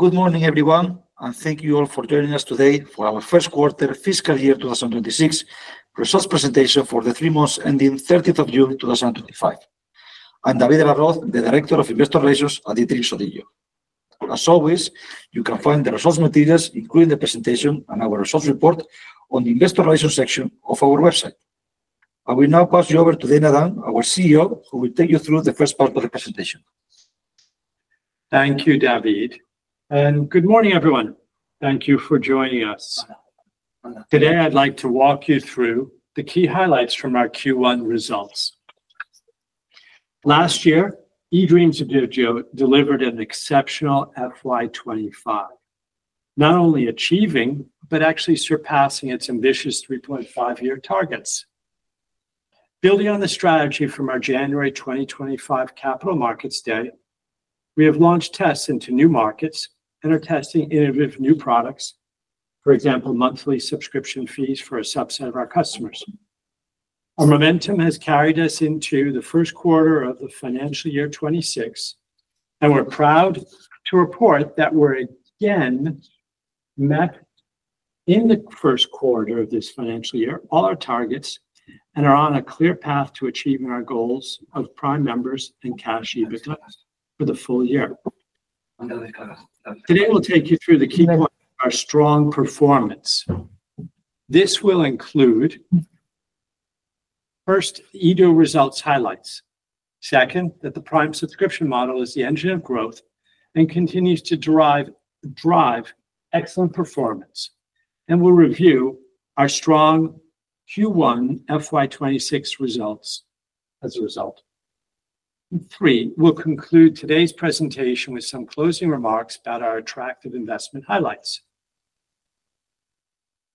Good morning, everyone, and thank you all for joining us today for our First Quarter Fiscal Year 2026 Results Presentation for the three months ending 30th of June, 2025. I'm David de la Roz, the Director of Investor Relations at eDreams ODIGEO. As always, you can find the results materials, including the presentation and our results report, on the Investor Relations section of our website. I will now pass you over to Dana Dunne, our CEO, who will take you through the first part of the presentation. Thank you, David. Good morning, everyone. Thank you for joining us. Today, I'd like to walk you through the key highlights from our Q1 results. Last year, eDreams ODIGEO delivered an exceptional FY 2025, not only achieving but actually surpassing its ambitious 3.5-year targets. Building on the strategy from our January 2025 Capital Markets Day, we have launched tests into new markets and are testing innovative new products, for example, monthly subscription fees for a subset of our customers. Our momentum has carried us into the first quarter of the financial year 2026, and we're proud to report that we again met in the first quarter of this financial year all our targets and are on a clear path to achieving our goals of Prime members and cash EBITDA for the full year. Today, we'll take you through the key points of our strong performance. This will include, first, eDO results highlights. Se cond, that the Prime subscription model is the engine of growth and continues to drive excellent performance, and we'll review our strong Q1 FY 2026 results as a result. Three, we'll conclude today's presentation with some closing remarks about our attractive investment highlights.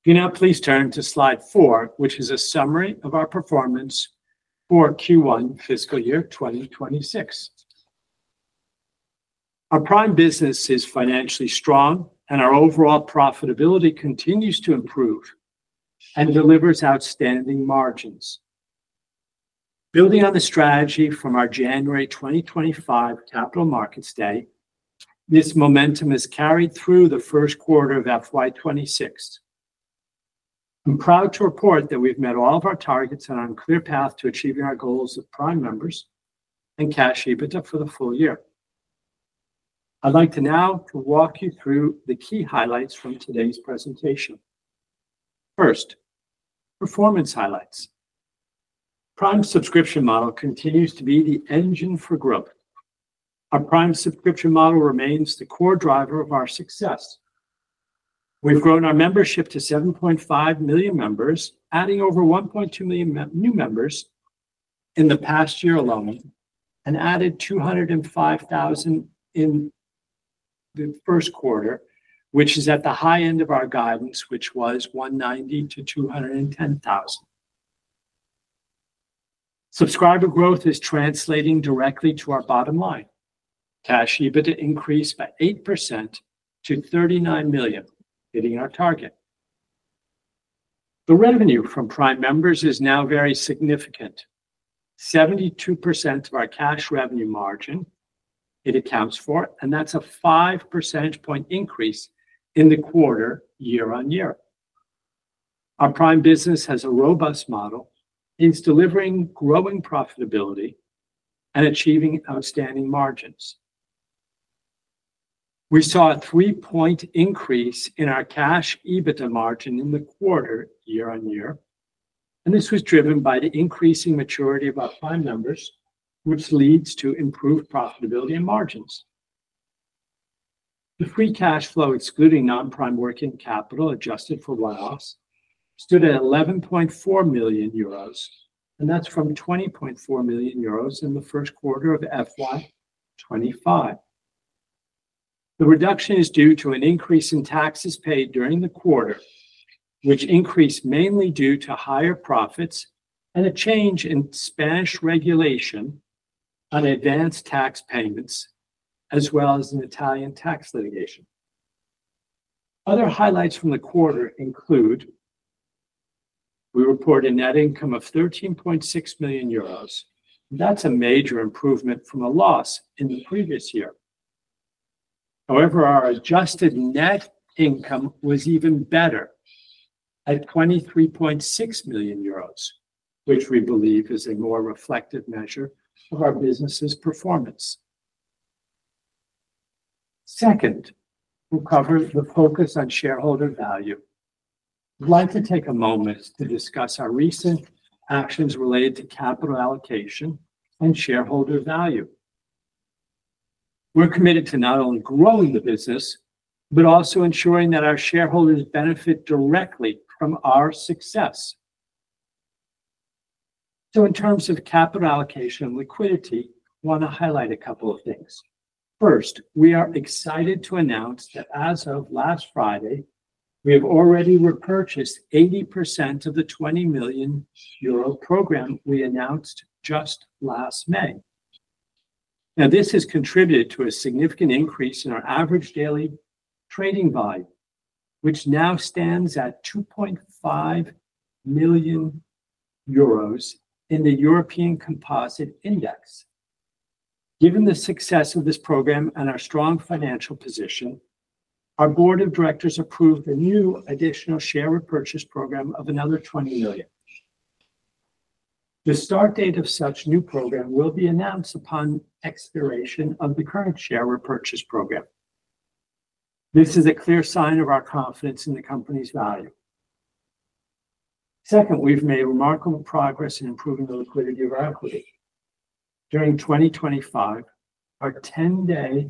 Please now turn to slide four, which is a summary of our performance for Q1 fiscal year 2026. Our Prime business is financially strong, and our overall profitability continues to improve and delivers outstanding margins. Building on the strategy from our January 2025 Capital Markets Day, this momentum has carried through the first quarter of FY 2026. I'm proud to report that we've met all of our targets and are on a clear path to achieving our goals of Prime members and cash EBITDA for the full year. I'd like to now walk you through the key highlights from today's presentation. First, performance highlights. The Prime subscription model continues to be the engine for growth. Our Prime subscription model remains the core driver of our success. We've grown our membership to 7.5 million members, adding over 1.2 million new members in the past year alone, and added 205,000 in the first quarter, which is at the high end of our guidance, which was 190,000 - 210,000. Subscriber growth is translating directly to our bottom line. Cash EBITDA increased by 8% to $39 million, hitting our target. The revenue from Prime members is now very significant. 72% of our cash revenue margin it accounts for, and that's a 5 percentage point increase in the quarter year- on- year. Our Prime business has a robust model. It's delivering growing profitability and achieving outstanding margins. We saw a 3-point increase in our cash EBITDA margin in the quarter year- on- year, and this was driven by the increasing maturity of our Prime members, which leads to improved profitability and margins. The free cash flow, excluding non-Prime working capital adjusted for runoffs, stood at 11.4 million euros, and that's from 20.4 million euros in the first quarter of FY 2025. The reduction is due to an increase in taxes paid during the quarter, which increased mainly due to higher profits and a change in Spanish regulation on advanced tax payments, as well as an Italian tax litigation. Other highlights from the quarter include we report a net income of 13.6 million euros. That's a major improvement from a loss in the previous year. However, our adjusted net income was even better at 23.6 million euros, which we believe is a more reflective measure of our business's performance. Second, we'll cover the focus on shareholder value. I'd like to take a moment to discuss our recent actions related to capital allocation and shareholder value. We're committed to not only growing the business but also ensuring that our shareholders benefit directly from our success. In terms of capital allocation and liquidity, I want to highlight a couple of things. First, we are excited to announce that as of last Friday, we have already repurchased 80% of the 20 million euro program we announced just last May. This has contributed to a significant increase in our average daily trading volume, which now stands at 2.5 million euros in the European Composite Index. Given the success of this program and our strong financial position, our Board of Directors approved a new additional share repurchase program of another 20 million. The start date of such a new program will be announced upon expiration of the current share repurchase program. This is a clear sign of our confidence in the company's value. We have made remarkable progress in improving the liquidity revenue. During 2025, our 10-day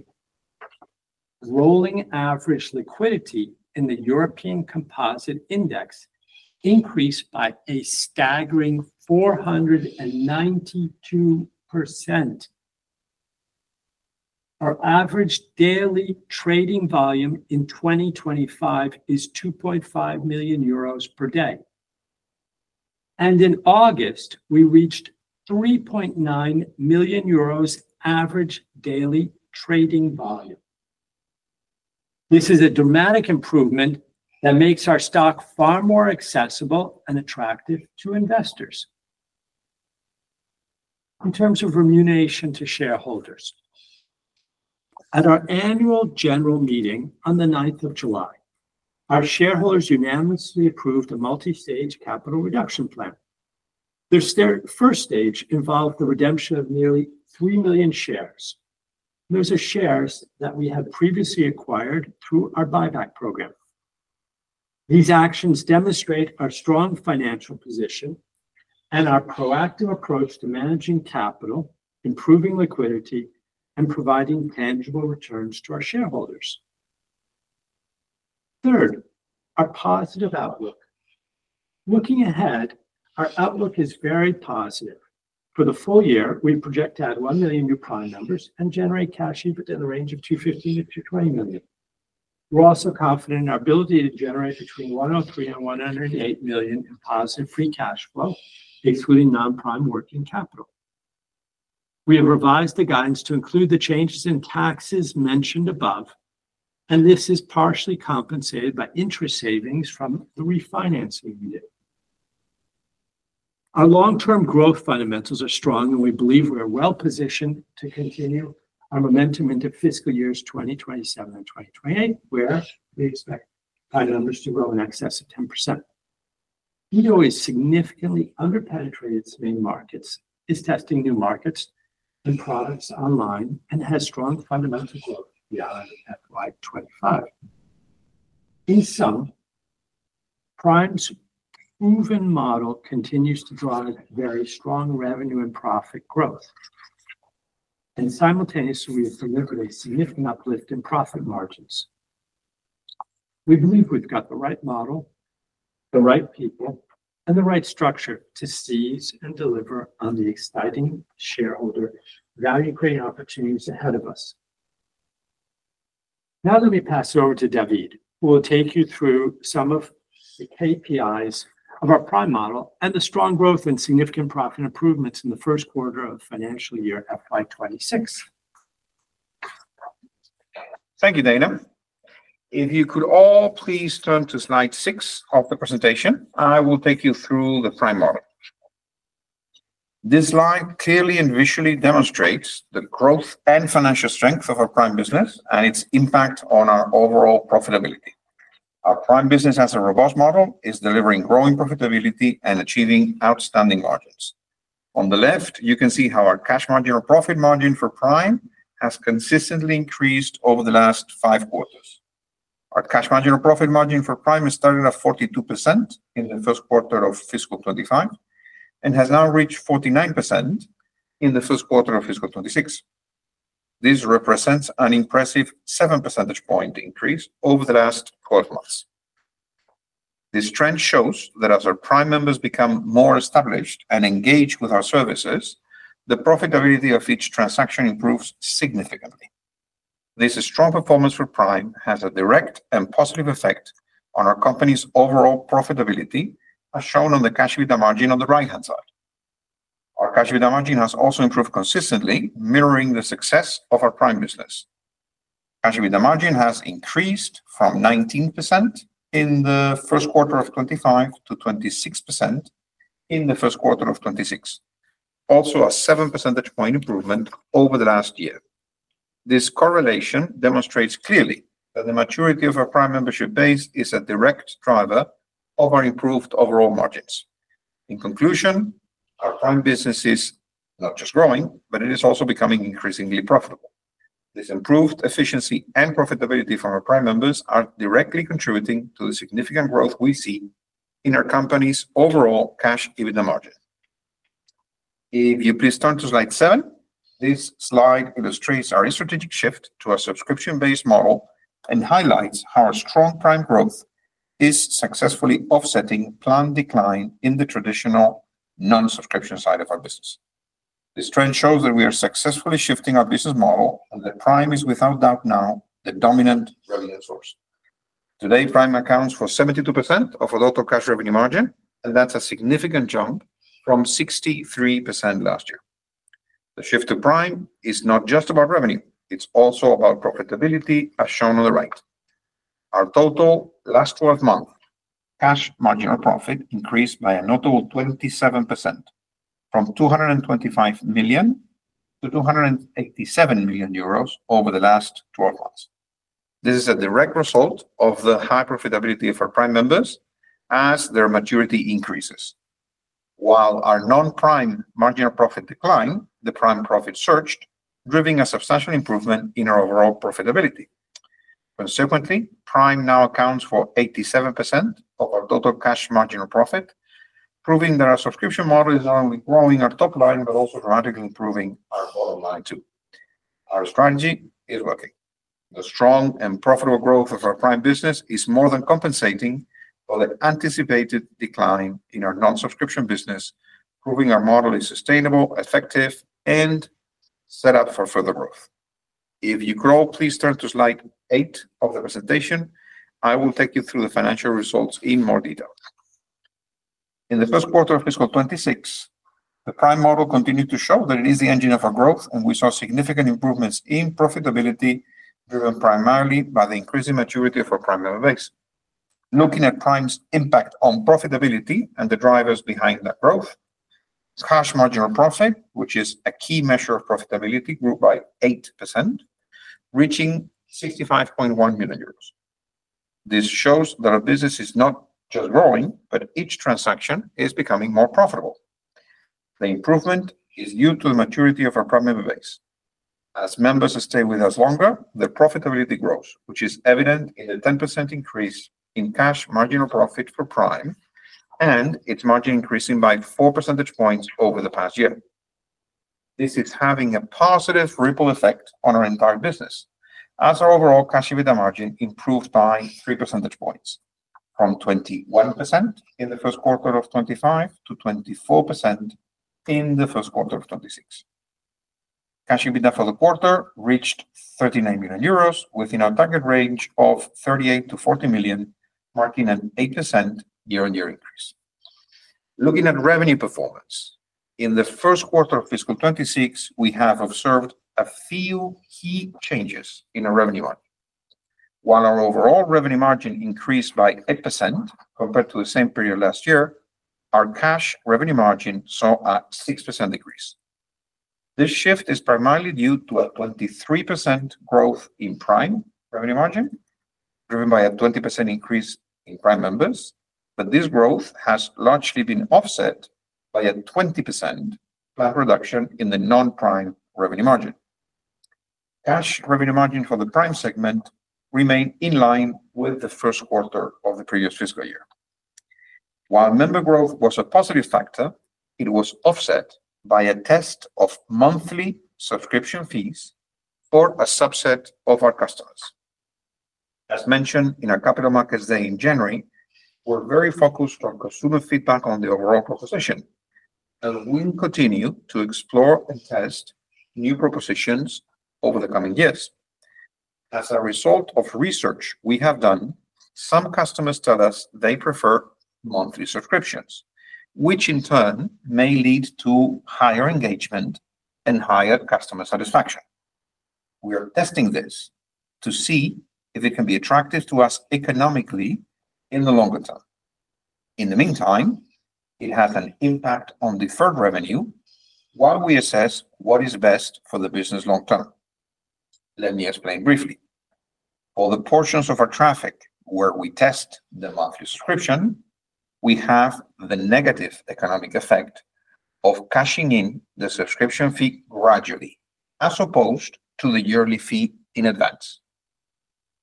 rolling average liquidity in the European Composite Index increased by a staggering 492%. Our average daily trading volume in 2025 is 2.5 million euros per day. In August, we reached 3.9 million euros average daily trading volume. This is a dramatic improvement that makes our stock far more accessible and attractive to investors. In terms of remuneration to shareholders, at our annual general meeting on 9th of July, our shareholders unanimously approved the multi-stage capital reduction plan. The first stage involved the redemption of nearly 3 million shares. Those are shares that we had previously acquired through our buyback program. These actions demonstrate our strong financial position and our proactive approach to managing capital, improving liquidity, and providing tangible returns to our shareholders. Third, our positive outlook. Looking ahead, our outlook is very positive. For the full year, we project to add 1 million new Prime members and generate cash EBITDA in the range of 250 million - 220 million. We're also confident in our ability to generate between 103 million and 108 million in positive free cash flow, excluding non-Prime working capital. We have revised the guidance to include the changes in taxes mentioned above, and this is partially compensated by interest savings from the refinancing we did. Our long-term growth fundamentals are strong, and we believe we are well positioned to continue our momentum into fiscal years 2027 and 2028, where we expect Prime members to grow in excess of 10%. eD O has significantly underpenetrated its main markets, is testing new markets and products online, and has strong fundamentals beyond FY 2025. In sum, Prime's proven model continues to drive very strong revenue and profit growth, and simultaneously, we have delivered a significant uplift in profit margins. We believe we've got the right model, the right people, and the right structure to seize and deliver on the exciting shareholder value creating opportunities ahead of us. Now, let me pass you over to David, who will take you through some of the KPIs of our Prime model and the strong growth and significant profit improvements in the first quarter of the financial year FY 20 26. Thank you, Dana. If you could all please turn to slide six of the presentation, I will take you through the Prime model. This line clearly and visually demonstrates the growth and financial strength of our Prime business and its impact on our overall profitability. Our Prime business has a robust model, is delivering growing profitability, and achieving outstanding margins. On the left, you can see how our cash marginal profit margin for Prime has consistently increased over the last five quarters. Our cash marginal profit margin for Prime has started at 42% in the first quarter of fiscal 2025 and has now reached 49% in the first quarter of fiscal 2026. This represents an impressive 7 percentage point increase over the last 12 months. This trend shows that as our Prime members become more established and engaged with our services, the profitability of each transaction improves significantly. This strong performance for Prime has a direct and positive effect on our company's overall profitability, as shown on the cash EBITDA margin on the right-hand side. Cash EBITDA margin has also improved consistently, mirroring the success of our Prime business. Cash EBITDA margin has increased from 19% in the first quarter of 2025 to 26% in the first quarter of 2026, also a 7 percentage point improvement over the last year. This correlation demonstrates clearly that the maturity of our Prime membership base is a direct driver of our improved overall margins. In conclusion, Prime business is not just growing, but it is also becoming increasingly profitable. This improved efficiency and profitability for our Prime members are directly contributing to the significant growth we see in our company's overall cash EBITDA margin. If you please turn to slide seven, this slide illustrates our strategic shift to a subscription-based model and highlights how strong Prime growth is successfully offsetting planned decline in the traditional non-subscription side of our business. This trend shows that we are successfully shifting our business model, and Prime is without doubt now the dominant resource. Today, Prime accounts for 72% of our total cash revenue margin, and that's a significant jump from 63% last year. The shift to Prime is not just about revenue, it's also about profitability, as shown on the right. Our total last 12 months' cash marginal profit increased by a notable 27%, from 225 million to 287 million euros over the last 12 months. This is a direct result of the high profitability of our Prime members as their maturity increases. While our non-Prime marginal profit declined, the Prime profit surged, driving a substantial improvement in our overall profitability. Consequently, Prime now accounts for 87% of our total cash margin or profit, proving that our subscription model is not only growing our top line but also dramatically improving our bottom line too. Our strategy is working. The strong and profitable growth of our Prime business is more than compensating for the anticipated decline in our non-subscription business, proving our model is sustainable, effective, and set up for further growth. If you could all please turn to slide eight of the presentation, I will take you through the financial results in more detail. In the first quarter of fiscal 2026, the Prime model continued to show that it is the engine of our growth, and we saw significant improvements in profitability, driven primarily by the increasing maturity of our Prime member base. Looking at Prime's impact on profitability and the drivers behind that growth, the cash margina l profit, which is a key measure of profitability, grew by 8%, reaching 65.1 million euros. This shows that our business is not just growing, but each transaction is becoming more profitable. The improvement is due to the maturity of our Prime member base. As members stay with us longer, the profitability grows, which is evident in a 10% increase in cash margin or profit for Prime and its margin increasing by 4 percentage points over the past year. This is having a positive ripple effect on our entire business, as our overall cash EBITDA margin improved by 3 percentage points, from 21% in the first quarter of 2025 to 24% in the first quarter of 2026. Cash EBITDA for the quarter reached 39 million euros, within our target range of 38 to 40 million, marking an 8% year-on-year increase. Looking at revenue performance, in the first quarter of fiscal 2026, we have observed a few key changes in our revenue margin. While our overall revenue margin increased by 8% compared to the same period last year, our cash revenue margin saw a 6% decrease. This shift is primarily due to a 23% growth in Prime revenue margin, driven by a 20% increase in Prime members, but this growth has largely been offset by a 20% planned reduction in the non-Prime revenue margin. Cash revenue margin for the Prime segment remained in line with the first quarter of the previous fiscal year. While member growth was a positive factor, it was offset by a test of monthly subscription fees for a subset of our customers. As mentioned in our Capital Markets Day in January, we're very focused on consumer feedback on the overall proposition and will continue to explore and test new propositions over the coming years. As a result of research we have done, some customers tell us they prefer monthly subscriptions, which in turn may lead to higher engagement and higher customer satisfaction. We are testing this to see if it can be attractive to us economically in the longer term. In the meantime, it has an impact on deferred revenue while we assess what is best for the business long term. Let me explain briefly. For the portions of our traffic where we test the monthly subscription, we have the negative economic effect of cashing in the subscription fee gradually, as opposed to the yearly fee in advance.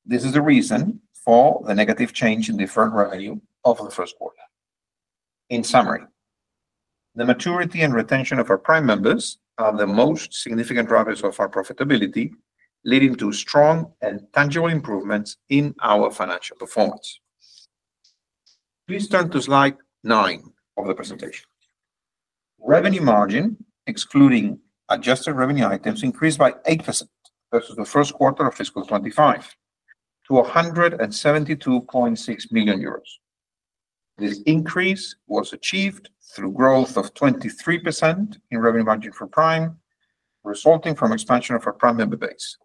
This is the reason for the negative change in deferred revenue over the first quarter. In summary, the maturity and retention of our Prime members are the most significant drivers of our profitability, leading to strong and tangible improvements in our financial performance. Please turn to slide nine of the presentation. Revenue margin, excluding adjusted revenue items, increased by 8% versus the first quarter of fiscal 2025 to 172.6 million euros. This increase was achieved through growth of 23% in revenue margin for Prime, resulting from expansion of our Prime member base.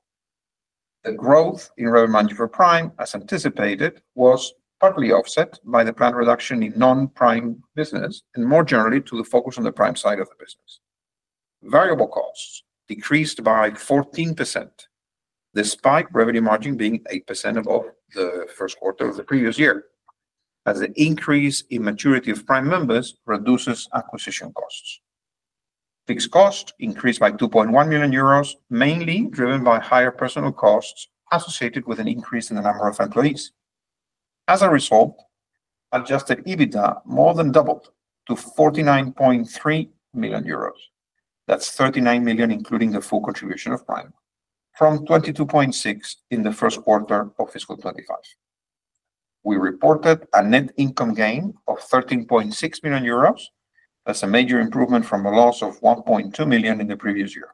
The growth in revenue margin for Prime, as anticipated, was partly offset by the planned reduction in non-Prime business and more generally to the focus on the Prime side of the business. Variable costs decreased by 14%, despite revenue margin being 8% above the first quarter of the previous year, as the increase in maturity of Prime members reduces acquisition costs. Fixed costs increased by 2.1 million euros, mainly driven by higher personnel costs associated with an increase in the number of employees. As a result, adjusted EBITDA more than doubled to 49.3 million euros. That's 39 million including the full contribution of Prime, from 22.6 million in the first quarter of fiscal 2025. We reported a net income gain of 13.6 million euros. That's a major improvement from a loss of 1.2 million in the previous year.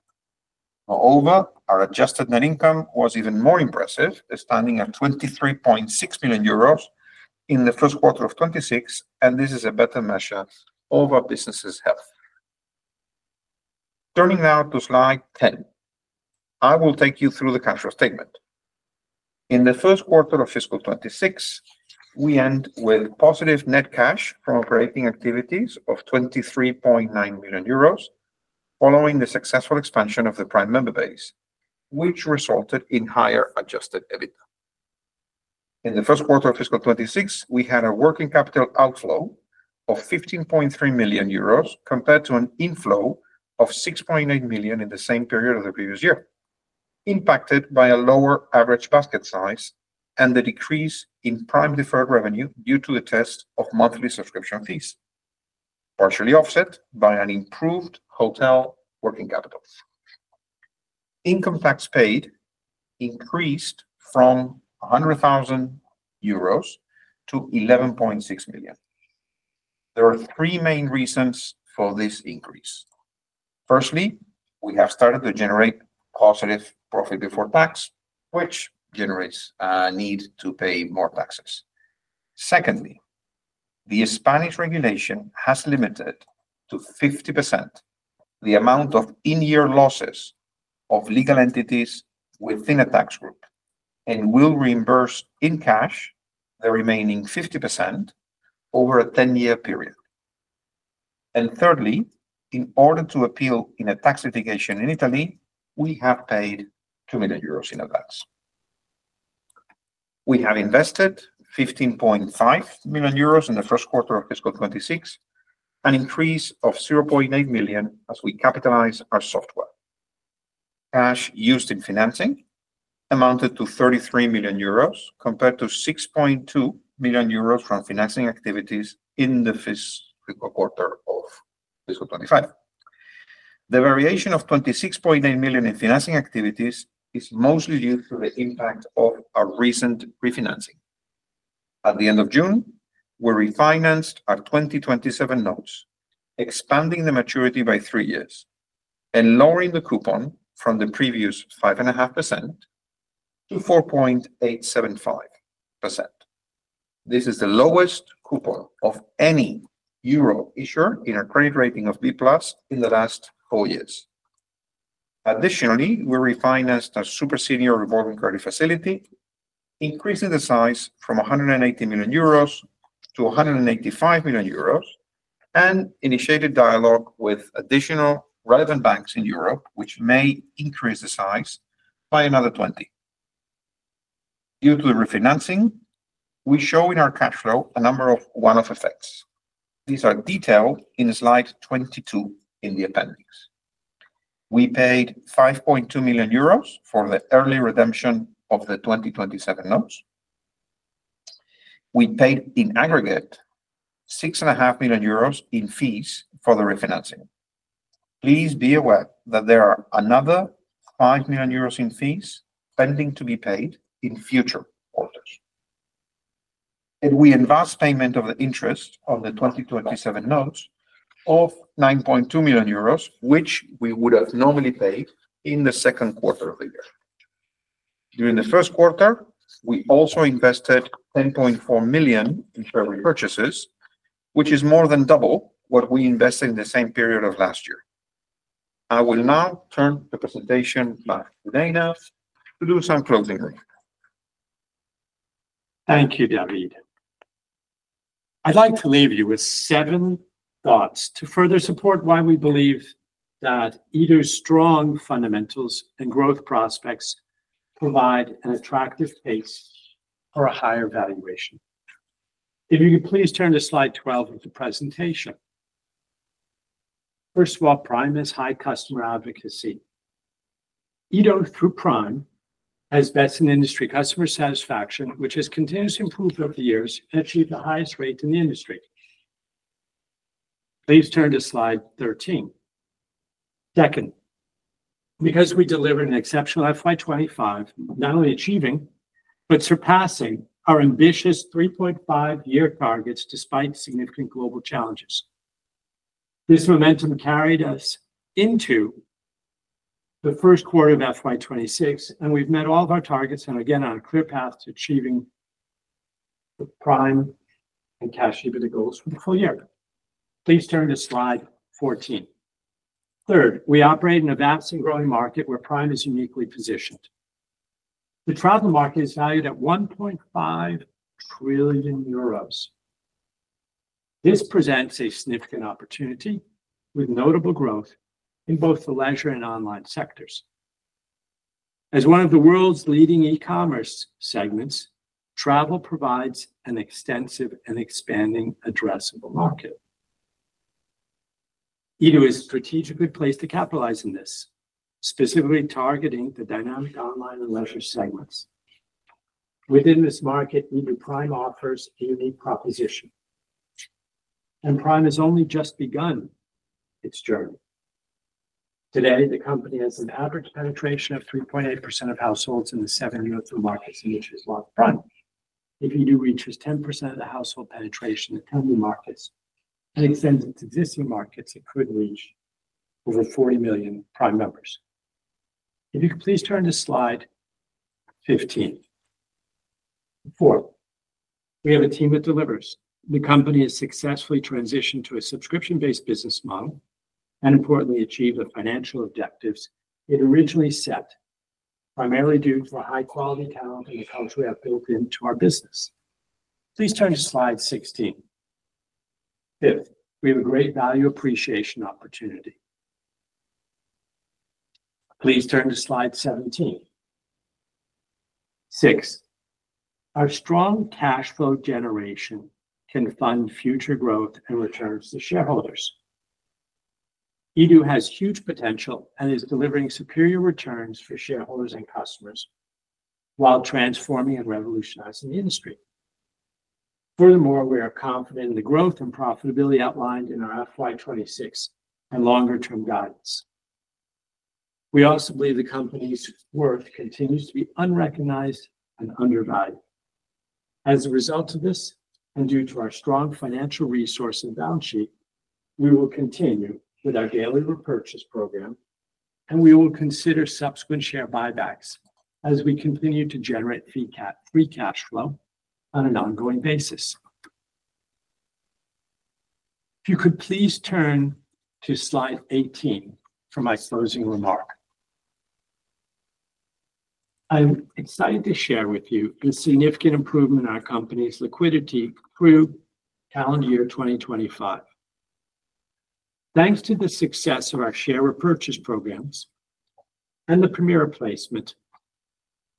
Moreover, our adjusted net income was even more impressive, standing at 23.6 million euros in the first quarter of 2026, and this is a better measure of our business's health. Turning now to slide 10, I will take you through the cash flow statement. In the first quarter of fiscal 2026, we end with positive net cash from operating activities of 23.9 million euros, following the successful expansion of the Prime member base, which resulted in higher adjusted EBITDA. In the first quarter of fiscal 2026, we had a working capital outflow of 15.3 million euros compared to an inflow of 6.8 million in the same period of the previous year, impacted by a lower average basket size and the decrease in Prime deferred revenue due to the test of monthly subscription fees, partially offset by an improved hotel working capital. Income tax paid increased from 100,000 euros to 11.6 million. There are three main reasons for this increase. Firstly, we have started to generate positive profit before tax, which generates a need to pay more taxes. Secondly, the Spanish regulation has limited to 50% the amount of in-year losses of legal entities within a tax group and will reimburse in cash the remaining 50% over a 10-year period. Thirdly, in order to appeal in a tax litigation in Italy, we have paid 2 million euros in advance. We have invested 15.5 million euros in the first quarter of fiscal 2026, an increase of 0.8 million as we capitalize our software. Cash used in financing amounted to 33 million euros compared to 6.2 million euros from financing activities in the first quarter of fiscal 2025. The variation of 26.8 million in financing activities is mostly due to the impact of our recent refinancing. At the end of June, we refinanced our 2027 notes, expanding the maturity by three years and lowering the coupon from the previous 5.5% to 4.875%. This is the lowest coupon of any euro issuer in our credit rating of B+ in the last four years. Additionally, we refinanced our superseded revolving credit facility, increasing the size from 180 million euros to 185 million euros, and initiated dialogue with additional relevant banks in Europe, which may increase the size by another 20 million. Due to the refinancing, we show in our cash flow a number of one-off effects. These are detailed in slide 22 in the appendix. We paid 5.2 million euros for the early redemption of the 2027 notes. We paid in aggregate 6.5 million euros in fees for the refinancing. Please be aware that there are another 5 million euros in fees pending to be paid in future. We advanced payment of the interest on the 2027 notes of 9.2 million euros, which we would have normally paid in the second quarter of the year. During the first quarter, we also invested 10.4 million in further purchases, which is more than double what we invested in the same period of last year. I will now turn the presentation back to Dana to do some closing remarks. Thank you, David. I'd like to leave you with seven thoughts to further support why we believe that eDO's strong fundamentals and growth prospects provide an attractive case for a higher valuation. If you could please turn to slide 12 of the presentation. First of all, Prime has high customer advocacy. eDO through Prime has best in industry customer satisfaction, which has continuously improved over the years and achieved the highest rate in the industry. Please turn to slide 13. Second, because we delivered an exceptional FY2025, not only achieving but surpassing our ambitious 3.5-year targets despite significant global challenges. This momentum carried us into the first quarter of FY2026, and we've met all of our targets and are again on a clear path to achieving the Prime and cash EBITDA goals for the full year. Please turn to slide 14. Third, we operate in a vast and growing market where Prime is uniquely positioned. The travel market is valued at 1.5 trillion euros. This presents a significant opportunity with notable growth in both the leisure and online sectors. As one of the world's leading e-commerce segments, travel provides an extensive and expanding addressable market. eDO has strategically placed to capitalize on this, specifically targeting the dynamic online and leisure segments. Within this market, eDO Prime offers a unique proposition. Prime has only just begun its journey. Today, the company has an average penetration of 3.8% of households in the seven European markets in which it's well-promoted. If eDreams reaches 10% of the household penetration in the 10 new markets and extends it to existing markets, it could reach over 40 million Prime members. If you could please turn to slide 15. Fourth, we have a team that delivers. The company has successfully transitioned to a subscription-based business model and importantly achieved the financial objectives it originally set, primarily due to our high-quality talent and the folks we have built into our business. Please turn to slide 16. Fifth, we have a great value appreciation opportunity. Please turn to slide 17. Sixth, our strong cash flow generation can fund future growth and returns to shareholders. eDO has huge potential and is delivering superior returns for shareholders and customers while transforming and revolutionizing the industry. Furthermore, we are confident in the growth and profitability outlined in our FY 2026 and longer-term guidance. We also believe the company's worth continues to be unrecognized and undervalued. As a result of this and due to our strong financial resources balance sheet, we will continue with our daily repurchase program, and we will consider subsequent share buybacks as we continue to generate free cash flow on an ongoing basis. If you could please turn to slide 18 for my closing remark. I'm excited to share with you the significant improvement in our company's liquidity through calendar year 2025. Thanks to the success of our share repurchase programs and the premier placement,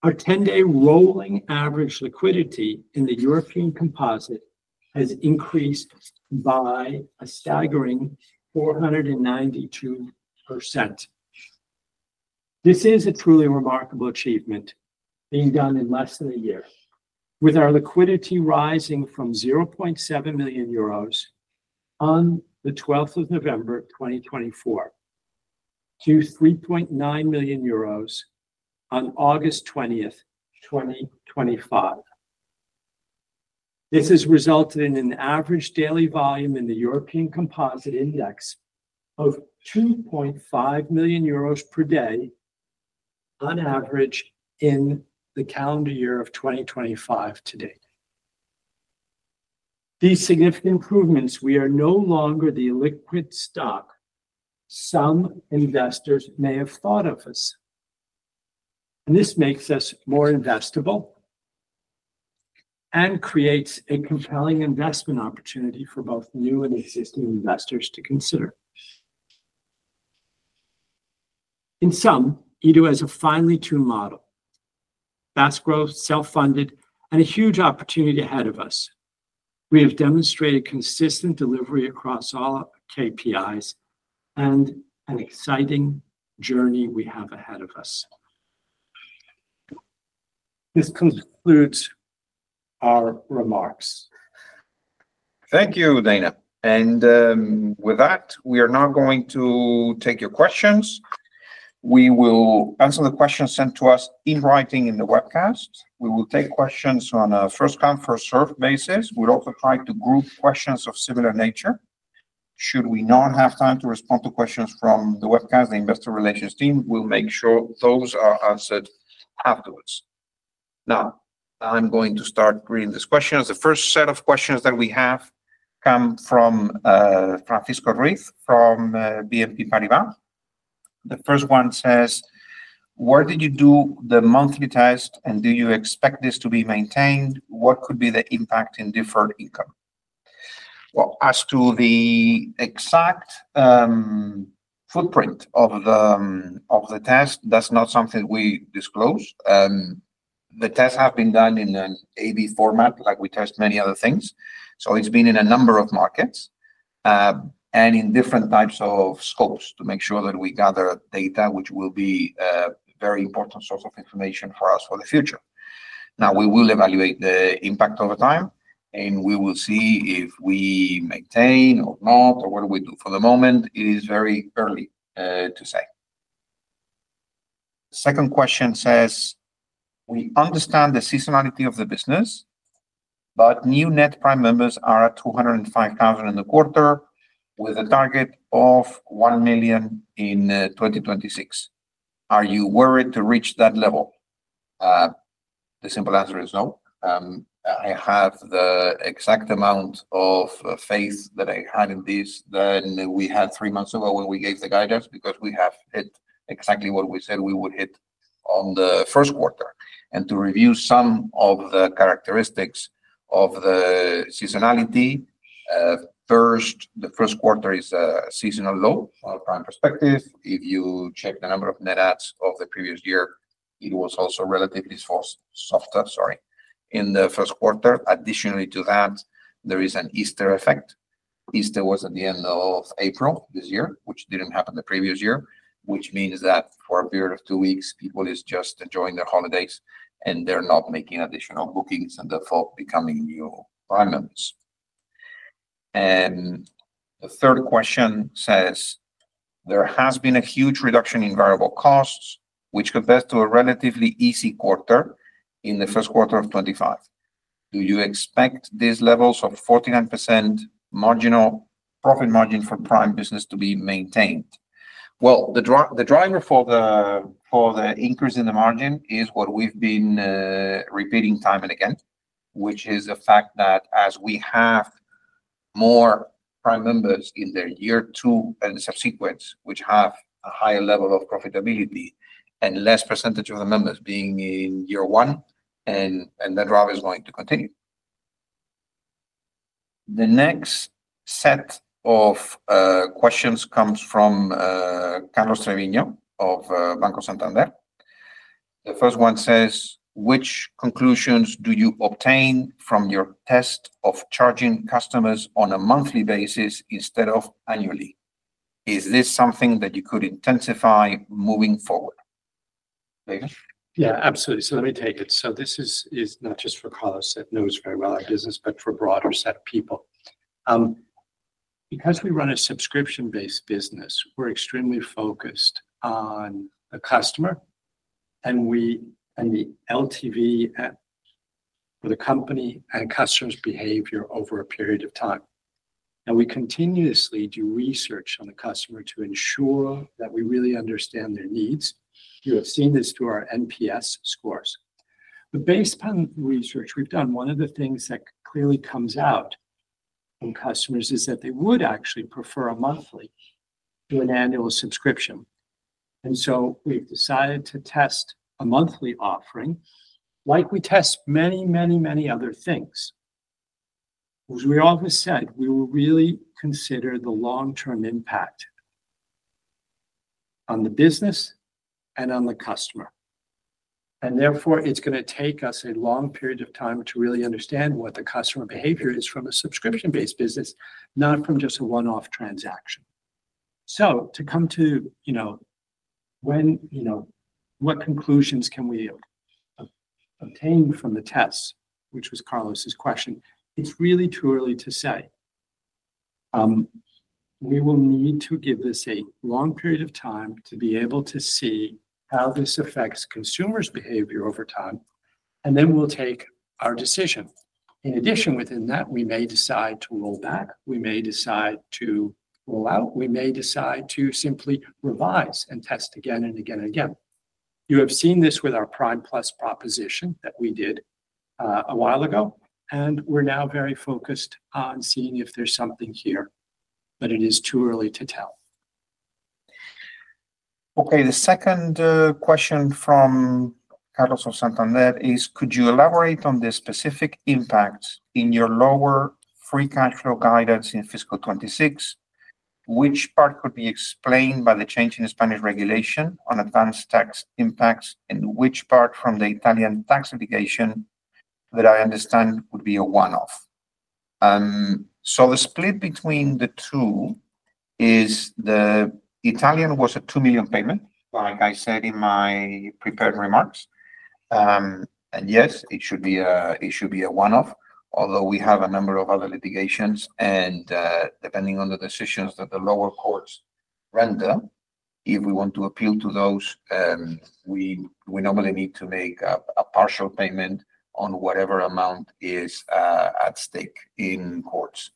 our 10-day rolling average liquidity in the European Composite has increased by a staggering 492%. This is a truly remarkable achievement being done in less than a year, with our liquidity rising from 0.7 million euros on 12th of November, 2024 to 3.9 million euros on August 20th, 2025. This has resulted in an average daily volume in the European Composite Index of 2.5 million euros per day on average in the calendar year of 2025 to date. With these significant improvements, we are no longer the illiquid stock some investors may have thought of us. This makes us more investable and creates a compelling investment opportunity for both new and existing investors to consider. In sum, eDO is a finely tuned model, fast growth, self-funded, and a huge opportunity ahead of us. We have demonstrated consistent delivery across all KPIs and an exciting journey we have ahead of us. This concludes our remarks. Thank you, Dana. With that, we are now going to take your questions. We will answer the questions sent to us in writing in the webcast. We will take questions on a first come, first served basis. We'll also try to group questions of similar nature. Should we not have time to respond to questions from the webcast, the Investor Relations team will make sure those are answered afterwards. Now, I'm going to start reading these questions. The first set of questions that we have come from Francisco Ruiz from BNP Paribas. The first one says, "Where did you do the monthly test and do you expect this to be maintained? What could be the impact in deferred income?" As to the exact footprint of the test, that's not something we disclose. The tests have been done in an A/B format, like we test many other things. It's been in a number of markets and in different types of scopes to make sure that we gather data, which will be a very important source of information for us for the future. We will evaluate the impact over time, and we will see if we maintain or not, or what we do. For the moment, it is very early to say. The second question says, "We understand the seasonality of the business, but new net Prime members are at 205,000 in the quarter with a target of 1 million in 2026. Are you worried to reach that level?" The simple answer is no. I have the exact amount of faith that I had in this than we had three months ago when we gave the guidance because we have hit exactly what we said we would hit on the first quarter. To review some of the characteristics of the seasonality, first, the first quarter is a seasonal low from a Prime perspective. If you check the number of net adds of the previous year, it was also relatively softer in the first quarter. Additionally to that, there is an Easter effect. Easter was at the end of April this year, which didn't happen the previous year, which means that for a period of two weeks, people are just enjoying their holidays and they're not making additional bookings and therefore becoming new Prime members. The third question says, "There has been a huge reduction in variable costs, which could best do a relatively easy quarter in the first quarter of 2025. Do you expect these levels of 49% marginal profit margin for Prime business to be maintained?" The driver for the increase in the margin is what we've been repeating time and again, which is the fact that as we have more Prime members in their year two and the subsequent years, which have a higher level of profitability and less percentage of the members being in year one, that drive is going to continue. The next set of questions comes from Carlos Treviño of Banco Santander. The first one says, "Which conclusions do you obtain from your test of charging customers on a monthly basis instead of annually? Is this something that you could intensify moving forward?" Dana? Yeah, absolutely. Let me take it. This is not just for Carlos, who knows very well our business, but for a broader set of people. Because we run a subscription-based business, we're extremely focused on the customer and the LTV for the company and customers' behavior over a period of time. We continuously do research on the customer to ensure that we really understand their needs. You have seen this through our NPS scores. Based on research we've done, one of the things that clearly comes out from customers is that they would actually prefer a monthly to an annual subscription. We have decided to test a monthly offering like we test many, many, many other things. As we always said, we will really consider the long-term impact on the business and on the customer. Therefore, it's going to take us a long period of time to really understand what the customer behavior is from a subscription-based business, not from just a one-off transaction. To come to what conclusions can we obtain from the tests, which was Carlos's question, it's really too early to say. We will need to give this a long period of time to be able to see how this affects consumers' behavior over time, and then we'll take our decision. In addition, within that, we may decide to roll back. We may decide to roll out. We may decide to simply revise and test again and again and again. You have seen this with our Prime Plus proposition that we did a while ago, and we're now very focused on seeing if there's something here, but it is too early to tell. Okay. The second question from Carlos Santander is, "Could you elaborate on the specific impacts in your lower free cash flow guidance in fiscal 2026? Which part could be explained by the change in the Spanish regulation on advanced tax impacts and which part from the Italian tax litigation that I understand could be a one-off?" The split between the two is the Italian was a 2 million payment, like I said in my prepared remarks. It should be a one-off, although we have a number of other litigations. Depending on the decisions that the lower courts render, if we want to appeal to those, we normally need to make a partial payment on whatever amount is at stake in courts.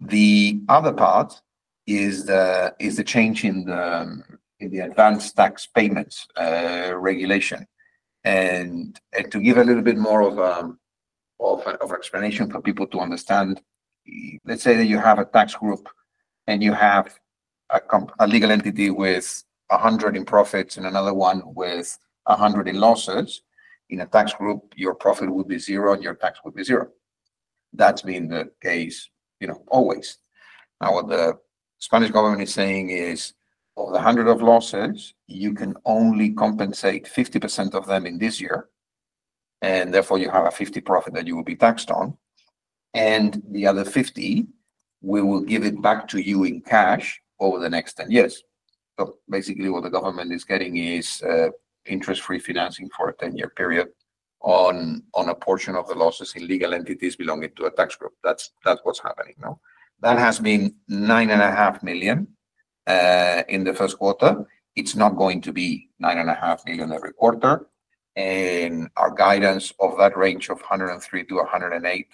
The other part is the change in the advanced tax payments regulation. To give a little bit more of an explanation for people to understand, let's say that you have a tax group and you have a legal entity with 100 million in profits and another one with 100 million in losses. In a tax group, your profit would be 0 and your tax would be 0. That's been the case, you know, always. Now, what the Spanish government is saying is, "The 100 million of losses, you can only compensate 50% of them in this year, and therefore you have a 50% profit that you will be taxed on. The other 50%, we will give it back to you in cash over the next 10 years." Basically, what the government is getting is interest-free financing for a 10-year period on a portion of the losses in legal entities belonging to a tax group. That's what's happening. That has been 9.5 million in the first quarter. It's not going to be 9.5 million every quarter. Our guidance of that range of 103 million- 108 million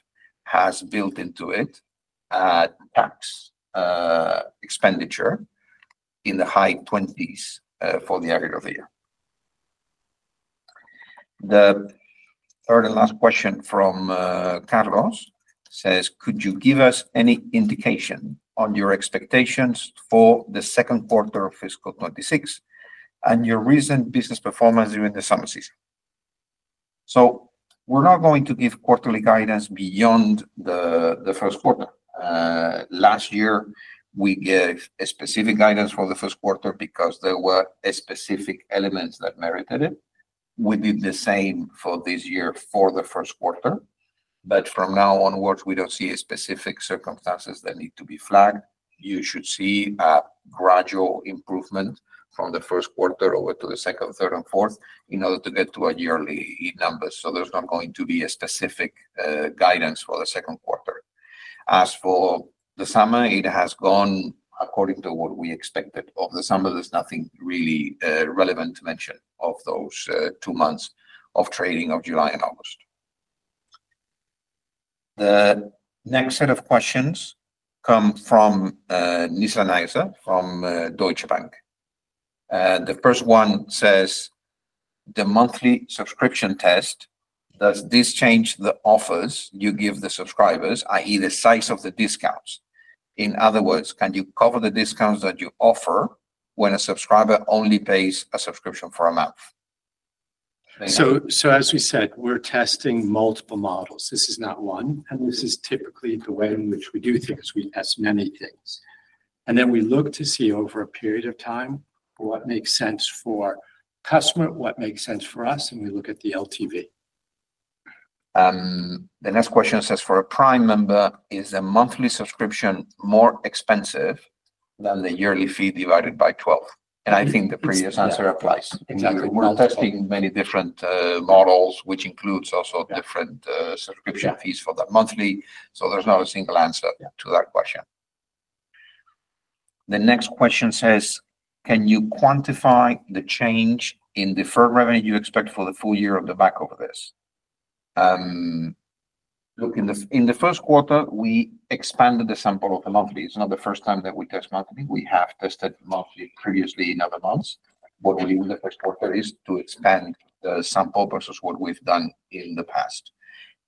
has built into it tax expenditure in the high 20s percent for the area of the year. The third and last question from Carlos says, "Could you give us any indication on your expectations for the second quarter of fiscal 2026 and your recent business performance during the summer season?" We're not going to give quarterly guidance beyond the first quarter. Last year, we gave specific guidance for the first quarter because there were specific elements that merited it. We did the same for this year for the first quarter. From now onwards, we don't see specific circumstances that need to be flagged. You should see a gradual improvement from the first quarter over to the second, third, and fourth in order to get to yearly numbers. There's not going to be a specific guidance for the second quarter. As for the summer, it has gone according to what we expected. Of the summer, there's nothing really relevant to mention of those two months of trading of July and August. The next set of questions come from Nizla Naizer from Deutsche Bank. The first one says, "The monthly subscription test, does this change the offers you give the subscribers, i.e., the size of the discounts? In other words, can you cover the discounts that you offer when a subscriber only pays a subscription for a month?" As we said, we're testing multiple models. This is not one, and this is typically the way in which we do things. We test many things, then we look to see over a period of time what makes sense for the customer, what makes sense for us, and we look at the LTV. The next question says, "For a Prime member, is the monthly subscription more expensive than the yearly fee divided by 12?" I think the previous answer applies. Exactly. We're testing many different models, which includes also different subscription fees for that monthly. There's not a single answer to that question. The next question says, "Can you quantify the change in deferred revenue you expect for the full year on the back of this?" Look, in the first quarter, we expanded the sample of the monthly. It's not the first time that we test monthly. We have tested monthly previously in other months. What we did in the first quarter is to expand the sample versus what we've done in the past.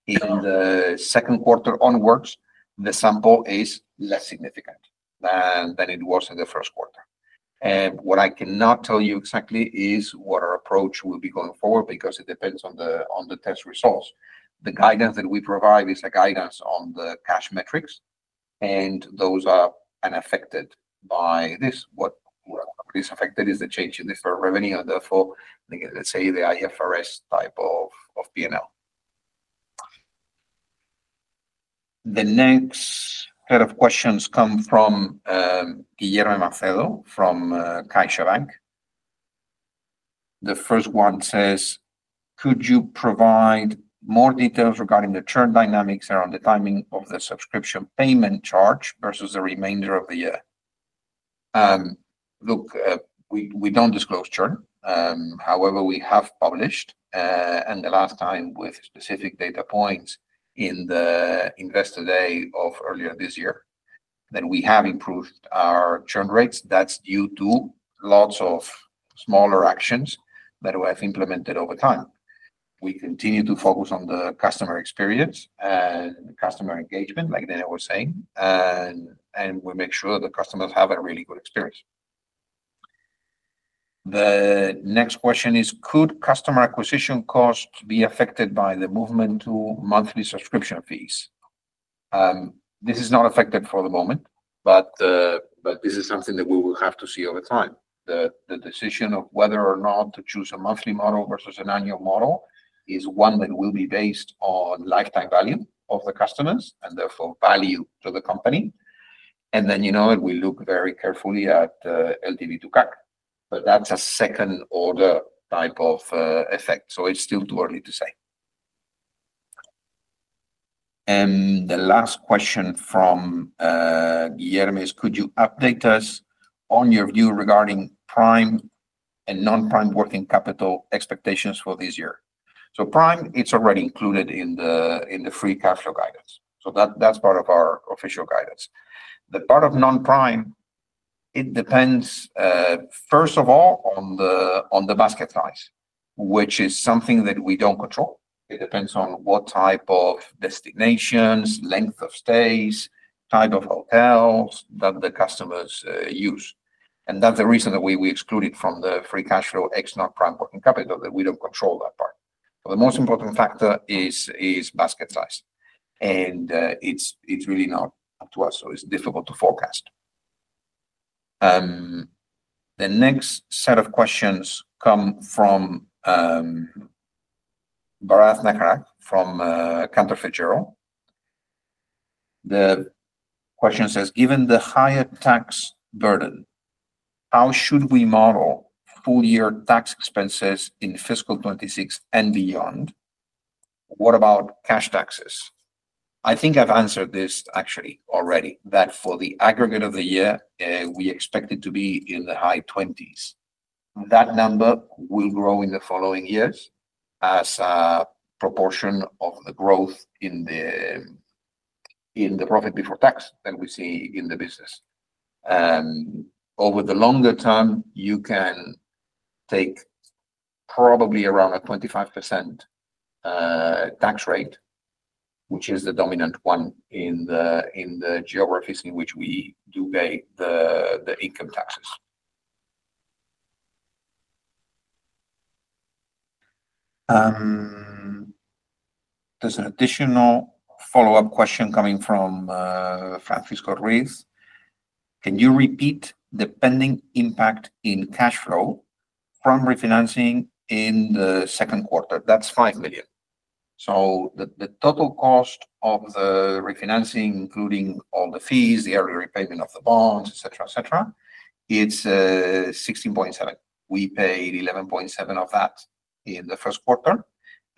In the second quarter onwards, the sample is less significant than it was in the first quarter. What I cannot tell you exactly is what our approach will be going forward because it depends on the test results. The guidance that we provide is the guidance on the cash metrics, and those are affected by this. What is affected is the change in deferred revenue, and therefore, let's say the IFRS type of P&L. The next set of questions come from Guilherme Macedo from Caixa Bank. The first one says, "Could you provide more details regarding the churn dynamics around the timing of the subscription payment charge versus the remainder of the year?" Look, we don't disclose churn. However, we have published, and the last time with specific data points in the Investor Day of earlier this year, that we have improved our churn rates. That's due to lots of smaller actions that we have implemented over time. We continue to focus on the customer experience and customer engagement, like Dana was saying, and we make sure that the customers have a really good experience. The next question is, "Could customer acquisition costs be affected by the movement to monthly subscription fees?" This is not affected for the moment, but this is something that we will have to see over time. The decision of whether or not to choose a monthly model versus an annual model is one that will be based on lifetime value of the customers and therefore value to the company. We look very carefully at LTV to CAC. That's a second-order type of effect. It's still too early to say. The last question from Guilherme is, "Could you update us on your view regarding Prime and non-Prime working capital expectations for this year?" Prime is already included in the free cash flow guidance. That's part of our official guidance. The part of non-Prime depends, first of all, on the basket size, which is something that we don't control. It depends on what type of destinations, length of stays, type of hotels that the customers use. That's the reason that we excluded from the free cash flow ex non-Prime working capital, that we don't control that part. The most important factor is basket size. It's really not up to us, so it's difficult to forecast. The next set of questions come from Bharath Nagaraj from Cantor Fitzgerald. The question says, "Given the higher tax burden, how should we model full-year tax expenses in fiscal 2026 and beyond? What about cash taxes?" I think I've answered this, actually, already, that for the aggregate of the year, we expect it to be in the high 20s percent. That number will grow in the following years as a proportion of the growth in the profit before tax that we see in the business. Over the longer term, you can take probably around a 25% tax rate, which is the dominant one in the geographies in which we do pay the income taxes. There's an additional follow-up question coming from Francisco Ruiz. "Can you repeat the pending impact in cash flow from refinancing in the second quarter?" That's $5 million. The total cost of the refinancing, including all the fees, the early repayment of the bonds, etc., etc., it's $16.7 million. We paid $11.7 million of that in the first quarter,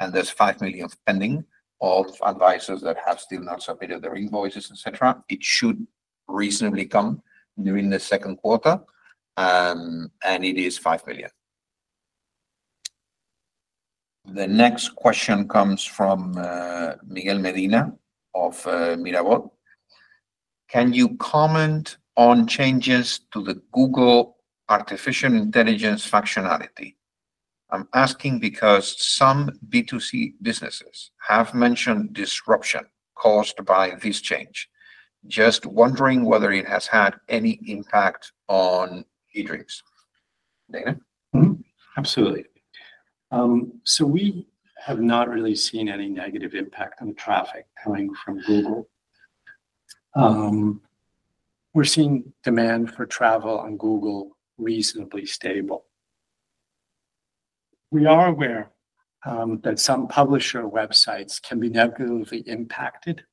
and there's $5 million pending of advisors that have still not submitted their invoices, etc. It should reasonably come during the second quarter, and it is $5 million. The next question comes from Miguel Medina of Mirabaud. "Can you comment on changes to the Google artificial intelligence functionality? I'm asking because some B2C businesses have mentioned disruption caused by this change. Just wondering whether it has had any impact on eDreams." Dana? Absolutely. We have not really seen any negative impact on traffic coming from Google. We're seeing demand for travel on Google reasonably stable. We are aware that some publisher websites can be negatively impacted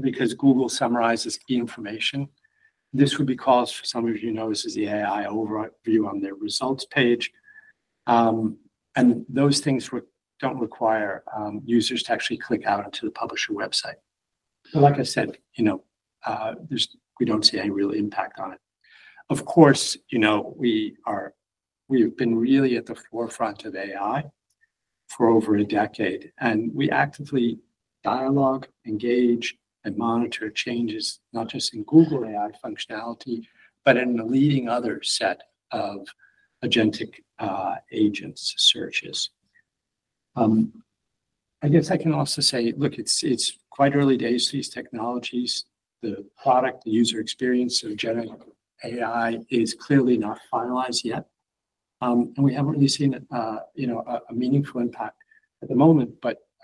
because Google summarizes key information. This would be cause for some of you to notice is the AI overview on their results page. Those things don't require users to actually click out onto the publisher website. Like I said, we don't see any real impact on it. Of course, we've been really at the forefront of AI for over a decade, and we actively dialogue, engage, and monitor changes not just in Google AI functionality, but in the leading other set of agentic agents searches. I guess I can also say, look, it's quite early days for these technologies. The product, the user experience of generative AI is clearly not finalized yet. We haven't really seen a meaningful impact at the moment.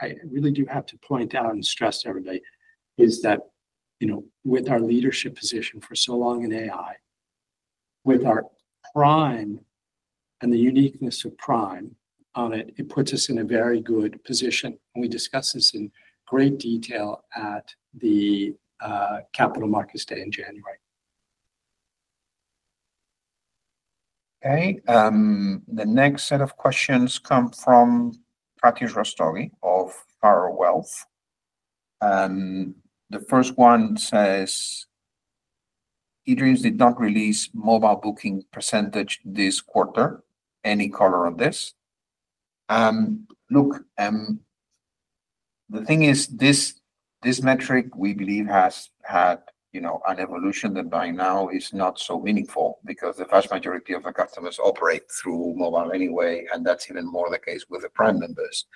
I really do have to point out and stress to everybody that, with our leadership position for so long in AI, with our Prime and the uniqueness of Prime on it, it puts us in a very good position. We discussed this in great detail at the Capital Markets Day in January. Okay. The next set of questions come from Pratyush Rastogi of Farrer Wealth. The first one says, "eDreams did not release mobile booking percentage this quarter. Any color on this?" The thing is, this metric we believe has had an evolution that by now is not so meaningful because the vast majority of our customers operate through mobile anyway, and that's even more the case with the Prime members.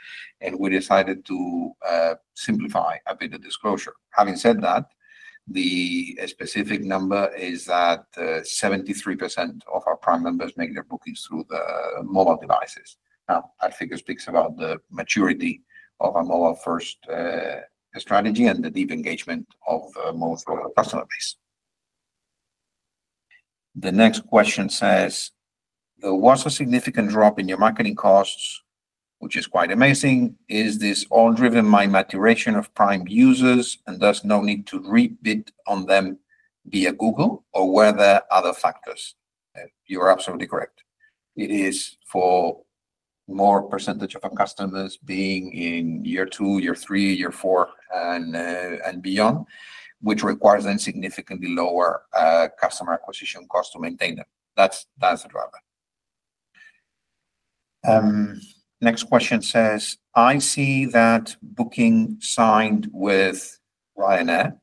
We decided to simplify a bit of disclosure. Having said that, the specific number is that 73% of our Prime members make their bookings through mobile devices. I think it speaks about the maturity of our mobile-first strategy and the deep engagement of most of our customers. The next question says, "There was a significant drop in your marketing costs, which is quite amazing. Is this all driven by maturation of Prime users and thus no need to rebid on them via Google or were there other factors?" You're absolutely correct. It is for more percentage of our customers being in year two, year three, year four, and beyond, which requires then significantly lower customer acquisition costs to maintain them. That's a driver. Next question says, "I see that Booking signed with Ryanair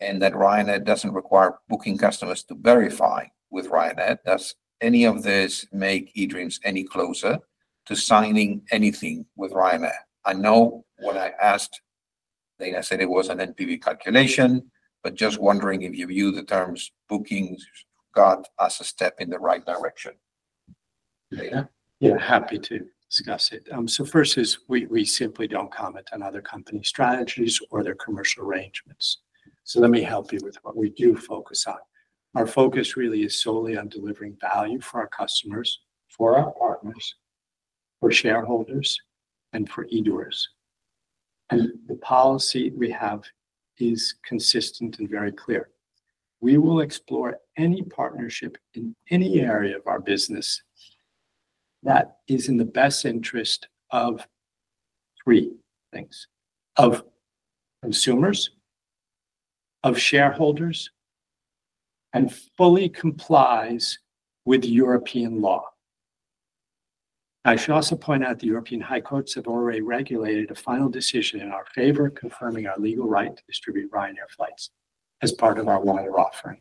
and that Ryanair doesn't require Booking customers to verify with Ryanair. Does any of this make eDreams any closer to signing anything with Ryanair?" I know when I asked, Dana said it was an NPV calculation, but just wondering if you view the terms Booking got as a step in the right direction. Dana? You're happy to discuss it. First, we simply don't comment on other companies' strategies or their commercial arrangements. Let me help you with what we do focus on. Our focus really is solely on delivering value for our customers, for our partners, for shareholders, and for eDOers. The policy we have is consistent and very clear. We will explore any partnership in any area of our business that is in the best interest of three things, of consumers, of shareholders, and fully complies with European law. I should also point out the European High Courts have already regulated a final decision in our favor confirming our legal right to distribute Ryanair flights as part of our wider offering.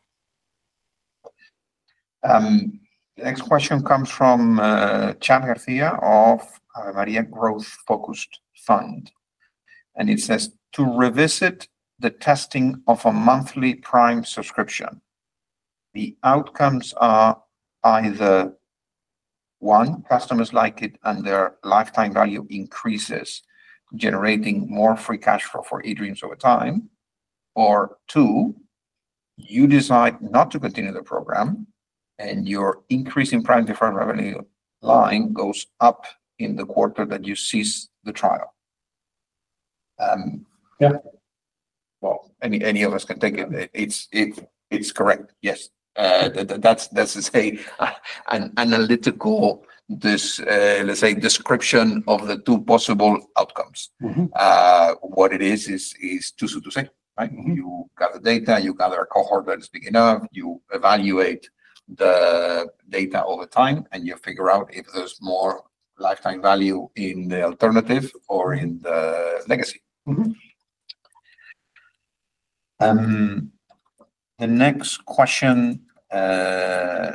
Next question comes from Chadd Garcia of Ave Maria Growth Focused Fund. It says, "To revisit the testing of a monthly Prime subscription, the outcomes are either, one, customers like it and their lifetime value increases, generating more free cash flow for eDreams over time, or two, you decide not to continue the program and your increasing Prime deferred revenue line goes up in the quarter that you cease the trial. Yeah. It is correct. Yes. That is to say, an analytical description of the two possible outcomes. It is too soon to say, right? You gather data, you gather a cohort that is big enough, you evaluate the data over time, and you figure out if there's more lifetime value in the alternative or in the legacy. The next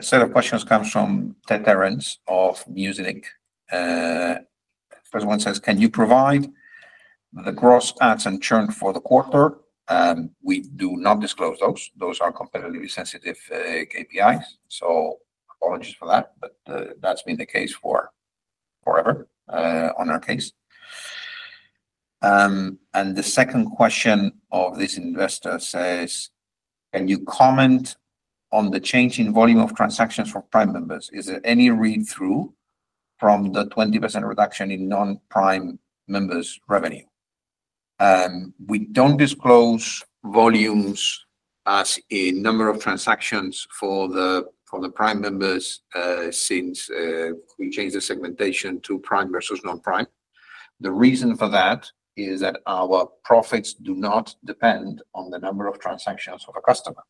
set of questions comes from [Ted Terrence of MusiLink]. The first one says, "Can you provide the gross ads and churn for the quarter?" We do not disclose those. Those are competitively sensitive KPIs. Apologies for that. That has been the case forever in our case. The second question of this investor says, "Can you comment on the change in volume of transactions for Prime members? Is there any read-through from the 20% reduction in non-Prime members' revenue?" We don't disclose volumes as in number of transactions for the Prime members since we changed the segmentation to Prime versus non-Prime. The reason for that is that our profits do not depend on the number of transactions of a customer.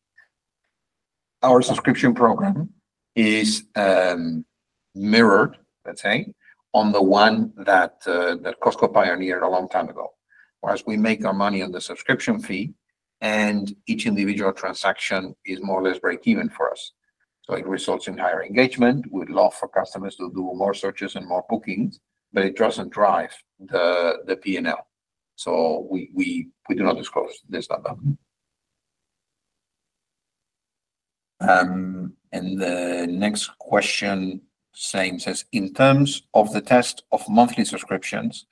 Our subscription program is mirrored on the one that Costco pioneered a long time ago, where we make our money on the subscription fee, and each individual transaction is more or less break-even for us. It results in higher engagement. We'd love for customers to do more searches and more bookings, but it doesn't drive the P&L. We do not disclose. There is nothing. The next question says, "In terms of the test of monthly subscriptions,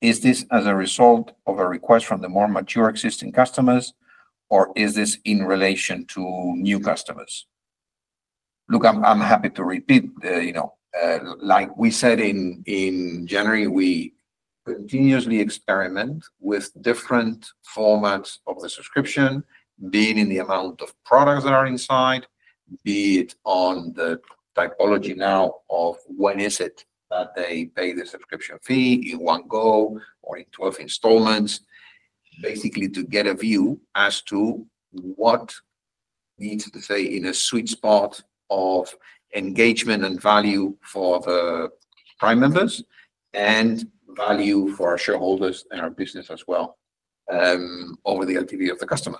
is this as a result of a request from the more mature existing customers, or is this in relation to new customers?" I'm happy to repeat, like we said in January, we continuously experiment with different formats of the subscription, being in the amount of products that are inside, be it on the typology now of when is it they pay the subscription fee, in one go or in 12 installments, basically to get a view as to what needs to stay in a sweet spot of engagement and value for the Prime members and value for our shareholders and our business as well over the LTV of the customer.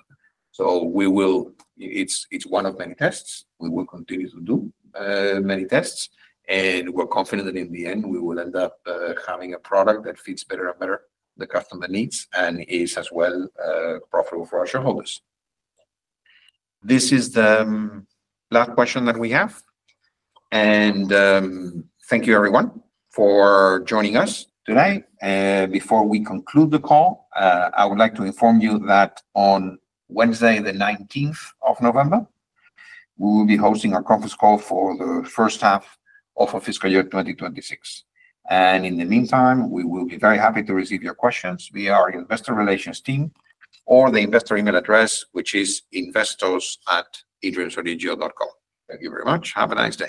It is one of many tests. We will continue to do many tests, and we're confident that in the end, we will end up having a product that fits better and better the customer needs and is as well profitable for our shareholders. This is the last question that we have. Thank you, everyone, for joining us today. Before we conclude the call, I would like to inform you that on Wednesday, the 19th of November, we will be hosting a conference call for the first half of fiscal year 2026. In the meantime, we will be very happy to receive your questions via our Investor Relations team or the investor email address, which is investors@edreamsodigeo.com. Thank you very much. Have a nice day.